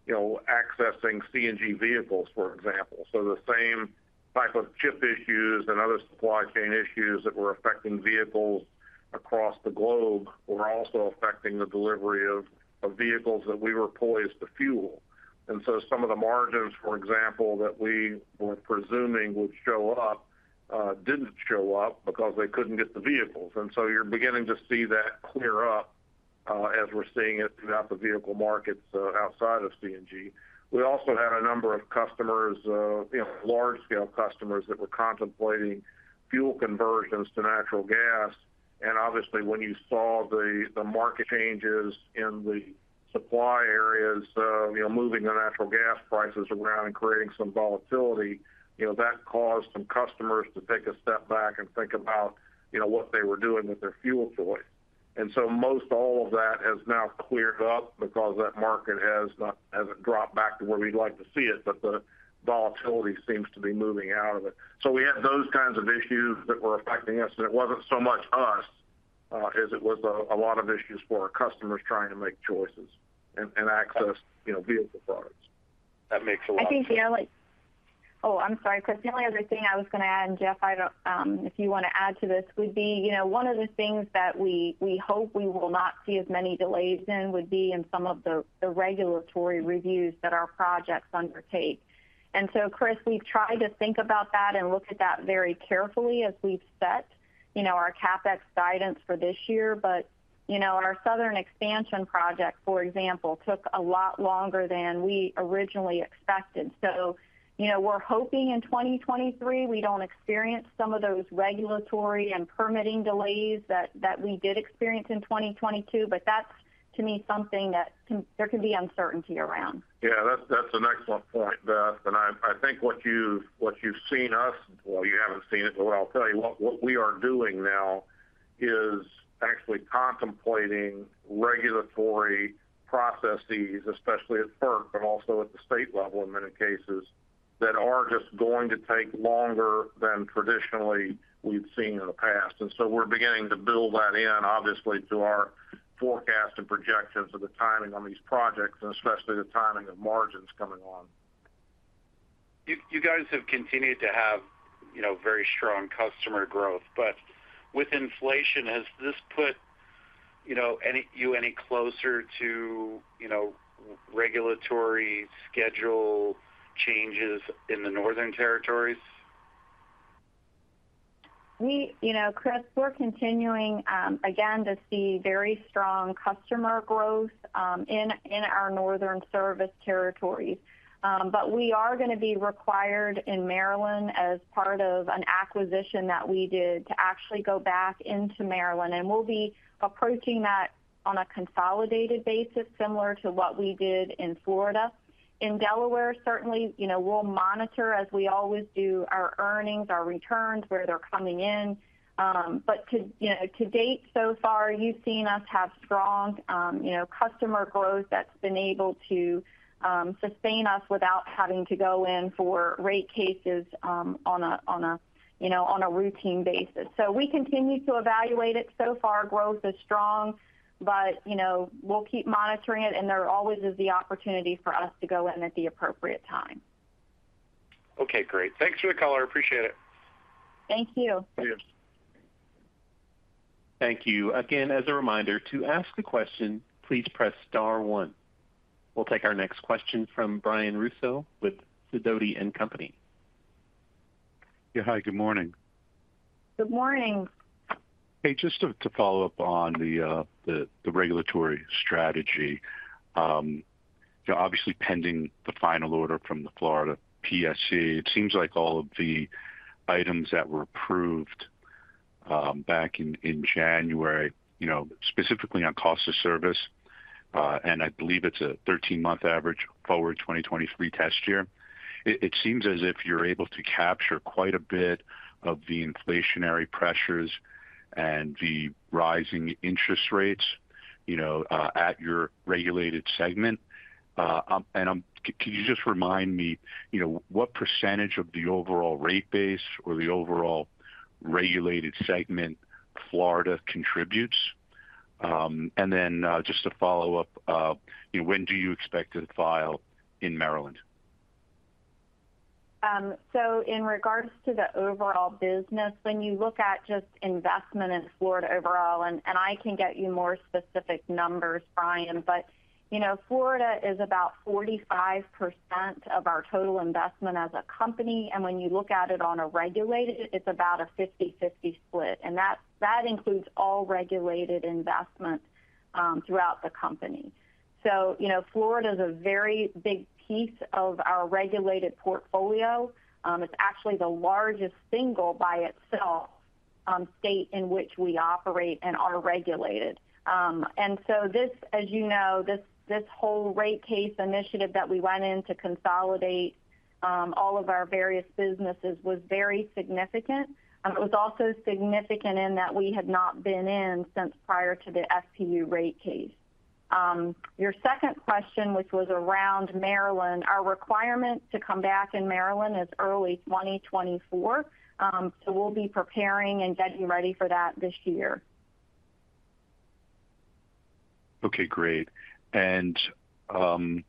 S3: you know, accessing CNG vehicles, for example. The same type of chip issues and other supply chain issues that were affecting vehicles across the globe were also affecting the delivery of vehicles that we were poised to fuel. Some of the margins, for example, that we were presuming would show up, didn't show up because they couldn't get the vehicles. You're beginning to see that clear up as we're seeing it throughout the vehicle markets outside of CNG. We also had a number of customers, you know, large-scale customers that were contemplating fuel conversions to Natural Gas. Obviously, when you saw the market changes in the supply areas, you know, moving the Natural Gas prices around and creating some volatility, you know, that caused some customers to take a step back and think about, you know, what they were doing with their fuel choice. Most all of that has now cleared up because that market hasn't dropped back to where we'd like to see it, but the volatility seems to be moving out of it. We had those kinds of issues that were affecting us, and it wasn't so much usIs. It was a lot of issues for our customers trying to make choices and access, you know, vehicle products.
S6: That makes a lot of sense.
S4: I think the.. I'm sorry, Chris. The only other thing I was gonna add, and Jeff, I don't, if you wanna add to this, would be, you know, one of the things that we hope we will not see as many delays in would be in some of the regulatory reviews that our projects undertake. Chris, we've tried to think about that and look at that very carefully as we've set, you know, our CapEx guidance for this year. You know, our Southern Expansion Project, for example, took a lot longer than we originally expected. You know, we're hoping in 2023 we don't experience some of those regulatory and permitting delays that we did experience in 2022, but that's, to me, something that there can be uncertainty around.
S3: Yeah, that's an excellent point, Beth. I think what you've seen Well, you haven't seen it, but I'll tell you, what we are doing now is actually contemplating regulatory processes, especially at FERC, but also at the state level in many cases, that are just going to take longer than traditionally we've seen in the past. We're beginning to build that in, obviously, to our forecast and projections of the timing on these projects, and especially the timing of margins coming on.
S6: You guys have continued to have, you know, very strong customer growth. With inflation, has this put, you know, any closer to, you know, regulatory schedule changes in the northern territories?
S4: You know, Chris, we're continuing again, to see very strong customer growth in our northern service territories. We are gonna be required in Maryland as part of an acquisition that we did to actually go back into Maryland, and we'll be approaching that on a consolidated basis similar to what we did in Florida. In Delaware, certainly, you know, we'll monitor, as we always do, our earnings, our returns, where they're coming in. To, you know, to date so far, you've seen us have strong, you know, customer growth that's been able to sustain us without having to go in for rate cases on a, you know, on a routine basis. We continue to evaluate it. So far, growth is strong, but, you know, we'll keep monitoring it, and there always is the opportunity for us to go in at the appropriate time.
S6: Okay, great. Thanks for the color. I appreciate it.
S4: Thank you.
S3: Cheers.
S1: Thank you. Again, as a reminder, to ask a question, please press star one. We'll take our next question from Brian Russo with Sidoti & Company.
S7: Yeah, hi, good morning.
S4: Good morning.
S7: Hey, just to follow up on the regulatory strategy. You know, obviously pending the final order from the Florida PSC, it seems like all of the items that were approved back in January, you know, specifically on cost of service, and I believe it's a 13-month average forward 2023 test year, it seems as if you're able to capture quite a bit of the inflationary pressures and the rising interest rates, you know, at your regulated segment. Can you just remind me, you know, what percentage of the overall rate base or the overall regulated segment Florida contributes? Then, just to follow up, you know, when do you expect to file in Maryland?
S4: In regards to the overall business, when you look at just investment in Florida overall, and I can get you more specific numbers, Brian, but, you know, Florida is about 45% of our total investment as a company, and when you look at it on a regulated, it's about a 50/50 split, and that includes all regulated investment throughout the company. You know, Florida's a very big piece of our regulated portfolio. It's actually the largest single by itself, state in which we operate and are regulated. This, as you know, this whole rate case initiative that we went in to consolidate all of our various businesses was very significant. It was also significant in that we had not been in since prior to the FPU rate case. Your second question, which was around Maryland, our requirement to come back in Maryland is early 2024. We'll be preparing and getting ready for that this year.
S7: Okay, great. Just on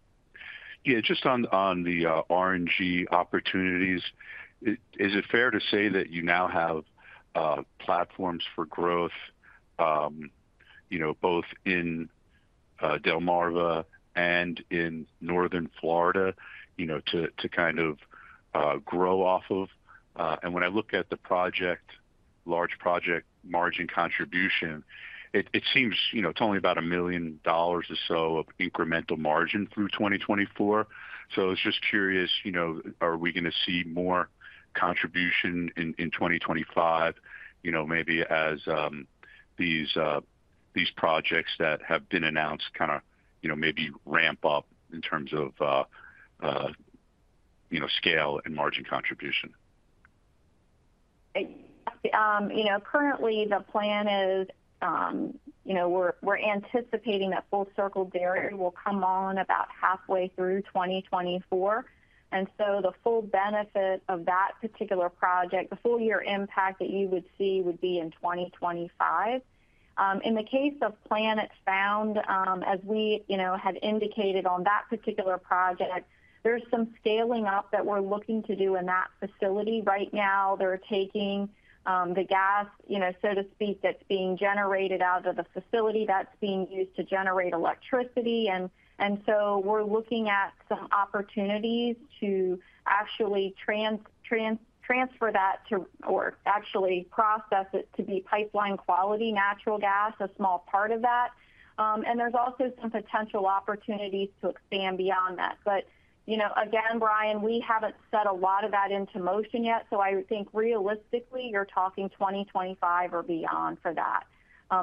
S7: the RNG opportunities, is it fair to say that you now have platforms for growth, you know, both in Delmarva and in northern Florida, you know, to kind of grow off of? When I look at the project, large project margin contribution, it seems, you know, it's only about $1 million or so of incremental margin through 2024. I was just curious, you know, are we gonna see more contribution in 2025, you know, maybe as these projects that have been announced kinda, you know, maybe ramp up in terms of, you know, scale and margin contribution?
S4: You know, currently the plan is, you know, we're anticipating that Full Circle Dairy will come on about halfway through 2024. The full benefit of that particular project, the full year impact that you would see would be in 2025. In the case of Planet Found, as we, you know, had indicated on that particular project, there's some scaling up that we're looking to do in that facility. Right now, they're taking the gas, you know, so to speak, that's being generated out of the facility that's being used to generate electricity. We're looking at some opportunities to actually transfer that to or actually process it to be pipeline quality Natural Gas, a small part of that. There's also some potential opportunities to expand beyond that. You know, again, Brian, we haven't set a lot of that into motion yet. I would think realistically, you're talking 2025 or beyond for that.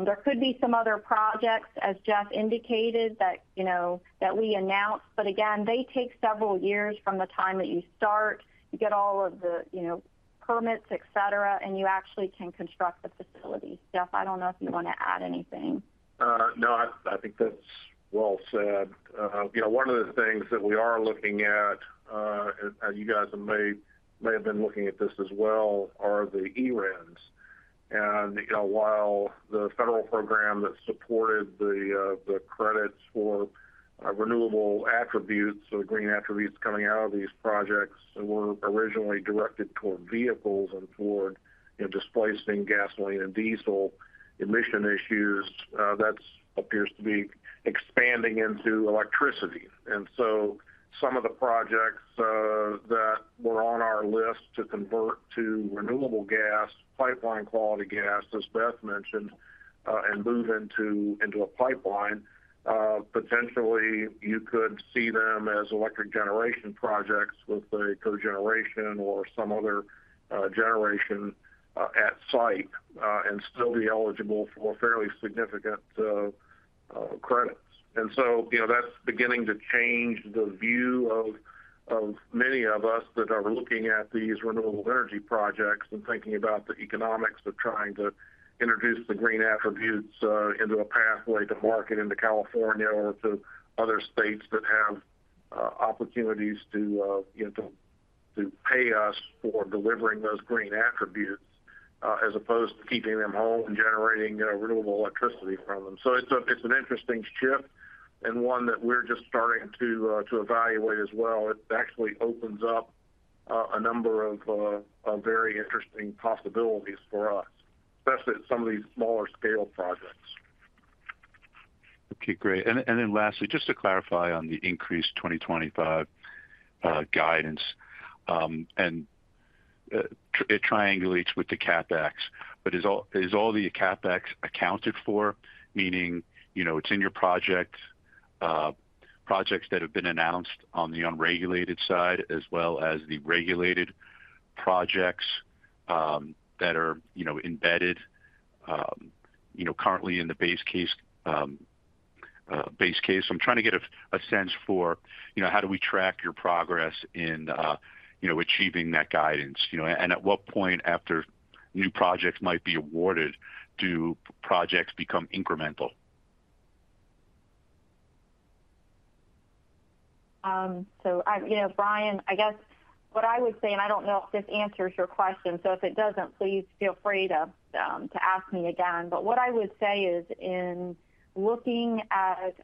S4: There could be some other projects, as Jeff indicated that, you know, that we announced, but again, they take several years from the time that you start. You get all of the, you know, permits, et cetera, and you actually can construct the facility. Jeff, I don't know if you wanna add anything.
S3: No, I think that's well said. You know, one of the things that we are looking at, and you guys may have been looking at this as well, are the eRINs. You know, while the federal program that supported the credits for renewable attributes or green attributes coming out of these projects were originally directed toward vehicles and toward, you know, displacing gasoline and diesel emission issues, that appears to be expanding into electricity. Some of the projects that were on our list to convert to renewable gas, pipeline quality gas, as Beth mentioned, and move into a pipeline, potentially you could see them as electric generation projects with a cogeneration or some other generation at site, and still be eligible for fairly significant credits. You know, that's beginning to change the view of many of us that are looking at these renewable energy projects and thinking about the economics of trying to introduce the green attributes into a pathway to market into California or to other states that have opportunities to, you know, to pay us for delivering those green attributes as opposed to keeping them home and generating, you know, renewable electricity from them. It's a, it's an interesting shift and one that we're just starting to evaluate as well. It actually opens up a number of very interesting possibilities for us, especially some of these smaller scale projects.
S7: Okay, great. Then lastly, just to clarify on the increased 2025 guidance, it triangulates with the CapEx. Is all the CapEx accounted for? Meaning, you know, it's in your projects that have been announced on the unregulated side as well as the regulated projects that are, you know, embedded, you know, currently in the base case. I'm trying to get a sense for, you know, how do we track your progress in, you know, achieving that guidance, you know. At what point after new projects might be awarded do projects become incremental?
S4: I, you know, Brian, I guess what I would say, and I don't know if this answers your question, so if it doesn't, please feel free to ask me again. What I would say is in looking at,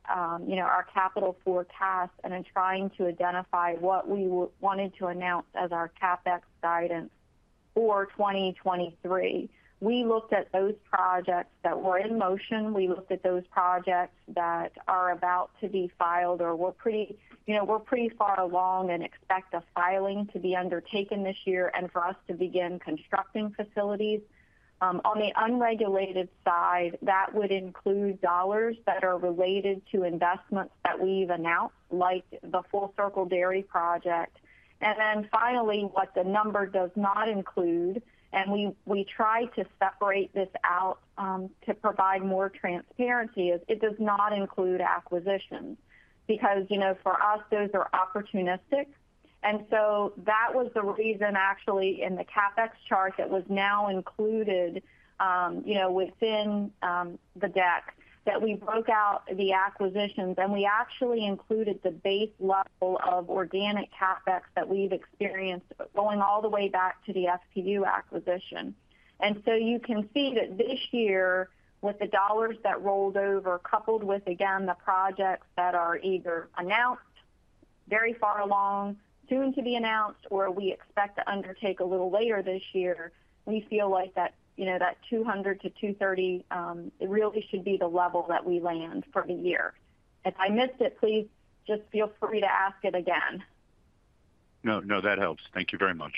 S4: you know, our capital forecast and in trying to identify what we wanted to announce as our CapEx guidance for 2023, we looked at those projects that were in motion. We looked at those projects that are about to be filed or we're pretty, you know, we're pretty far along and expect a filing to be undertaken this year and for us to begin constructing facilities. On the unregulated side, that would include dollars that are related to investments that we've announced, like the Full Circle Dairy project. Finally, what the number does not include, and we try to separate this out to provide more transparency, is it does not include acquisitions. Because, you know, for us, those are opportunistic. That was the reason actually in the CapEx chart that was now included, you know, within the deck, that we broke out the acquisitions, and we actually included the base level of organic CapEx that we've experienced going all the way back to the FPU acquisition. You can see that this year, with the dollars that rolled over, coupled with, again, the projects that are either announced very far along, soon to be announced, or we expect to undertake a little later this year, we feel like that, you know, that $200-230 really should be the level that we land for the year. If I missed it, please just feel free to ask it again.
S7: No, no, that helps. Thank you very much.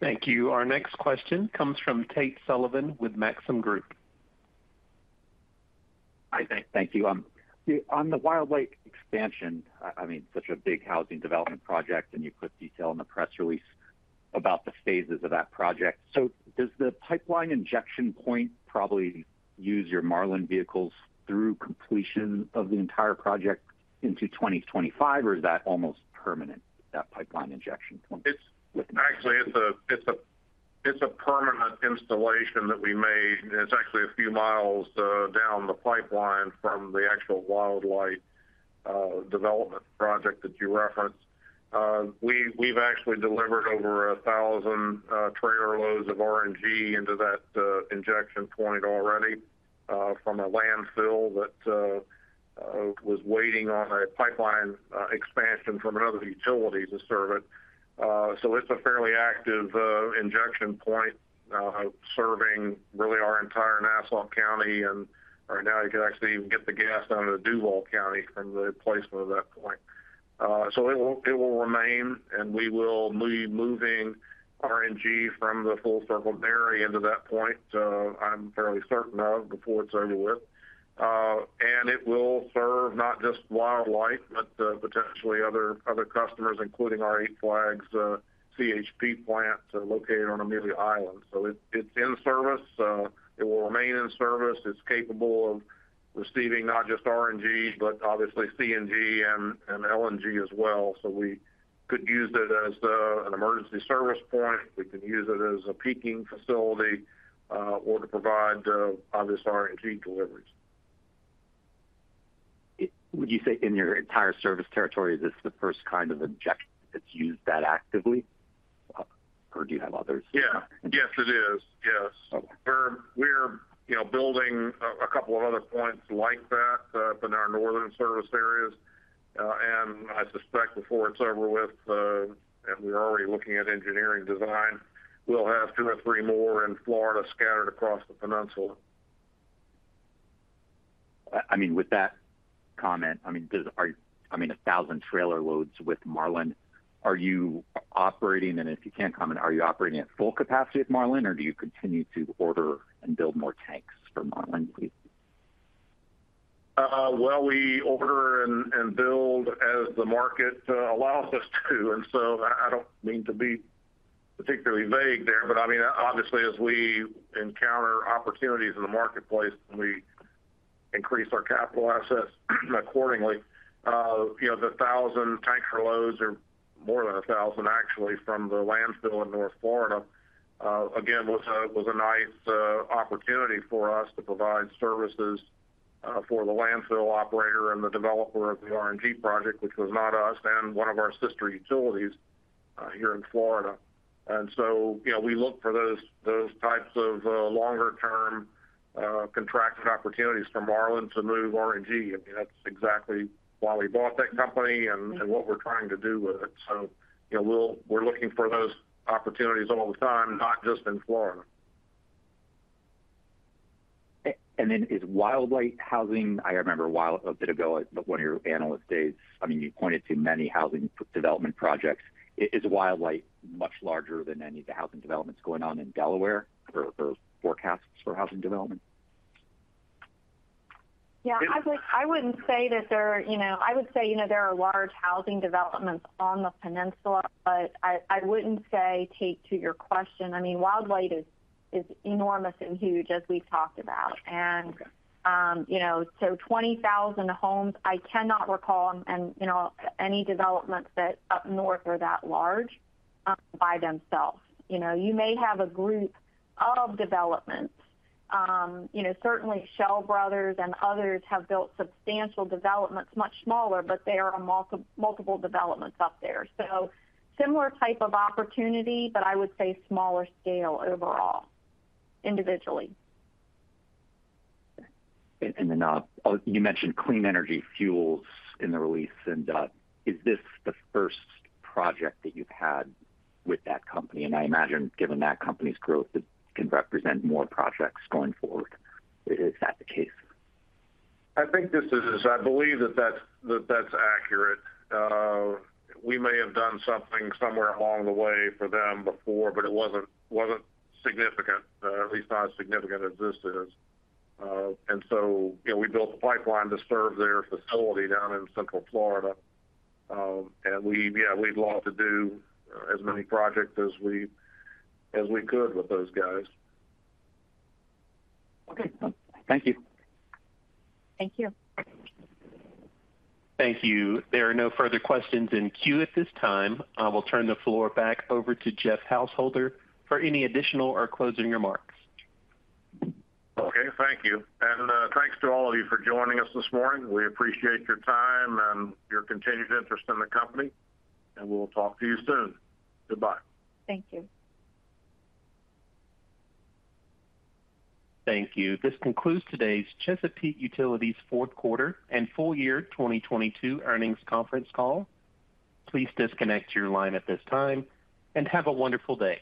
S1: Thank you. Our next question comes from Tate Sullivan with Maxim Group.
S8: Hi, thank you. on the Wildlight expansion, I mean, such a big housing development project, and you put detail in the press release about the phases of that project. Does the pipeline injection point probably use your Marlin vehicles through completion of the entire project into 2025, or is that almost permanent, that pipeline injection point?
S3: It's actually a permanent installation that we made, and it's actually a few miles down the pipeline from the actual Wildlight development project that you referenced. We've actually delivered over 1,000 trailer loads of RNG into that injection point already from a landfill that was waiting on a pipeline expansion from another utility to serve it. It's a fairly active injection point serving really our entire Nassau County, and right now you can actually even get the gas out of the Duval County from the placement of that point. It will remain, and we will be moving RNG from the Full Circle Dairy into that point, I'm fairly certain of before it's over with. It will serve not just Wildlight but potentially other customers, including our Eight Flags CHP plant located on Amelia Island. It's in service, it will remain in service. It's capable of receiving not just RNG, but obviously CNG and LNG as well. We could use it as an emergency service point. We could use it as a peaking facility, or to provide obvious RNG deliveries.
S8: Would you say in your entire service territory, is this the first kind of injection that's used that actively? Do you have others?
S3: Yeah. Yes, it is. Yes.
S8: Okay.
S3: We're, you know, building a couple of other points like that, up in our northern service areas. I suspect before it's over with, and we're already looking at engineering design, we'll have two or three more in Florida scattered across the Peninsula.
S8: I mean, with that comment, I mean, 1,000 trailer loads with Marlin. Are you operating, and if you can't comment, are you operating at full capacity at Marlin or do you continue to order and build more tanks for Marlin, please?
S3: Well, we order and build as the market allows us to. I don't mean to be particularly vague there, but I mean, obviously, as we encounter opportunities in the marketplace, we increase our capital assets accordingly. You know, the 1,000 tanker loads or more than 1,000 actually from the landfill in North Florida, again, was a nice opportunity for us to provide services for the landfill operator and the developer of the RNG project, which was not us and one of our sister utilities here in Florida. You know, we look for those types of longer term contracted opportunities for Marlin to move RNG. I mean, that's exactly why we bought that company and what we're trying to do with it. You know, we're looking for those opportunities all the time, not just in Florida.
S8: And then is Wildlight housing... I remember a bit ago at one of your analyst days, I mean, you pointed to many housing development projects. Is Wildlight much larger than any of the housing developments going on in Delaware or forecasts for housing development?
S4: Yeah. I wouldn't say, you know, I would say, you know, there are large housing developments on the peninsula, but I wouldn't say take to your question. I mean, Wildlight is enormous and huge, as we've talked about. You know, 20,000 homes, I cannot recall. You know, any developments that up north are that large by themselves. You know, you may have a group of developments. You know, certainly Schell Brothers and others have built substantial developments, much smaller, but they are a multi-multiple developments up there. Similar type of opportunity, but I would say smaller scale overall, individually.
S8: You mentioned Clean Energy Fuels in the release. Is this the first project that you've had with that company? I imagine given that company's growth, it can represent more projects going forward. Is that the case?
S3: I think this is. I believe that that's accurate. We may have done something somewhere along the way for them before, but it wasn't significant, at least not as significant as this is. You know, we built the pipeline to serve their facility down in Central Florida. We, yeah, we'd love to do as many projects as we could with those guys.
S8: Okay. Thank you.
S4: Thank you.
S1: Thank you. There are no further questions in queue at this time. I will turn the floor back over to Jeff Householder for any additional or closing remarks.
S3: Okay. Thank you. Thanks to all of you for joining us this morning. We appreciate your time and your continued interest in the company, and we'll talk to you soon. Goodbye.
S4: Thank you.
S1: Thank you. This concludes today's Chesapeake Utilities fourth quarter and full year 2022 earnings conference call. Please disconnect your line at this time, and have a wonderful day.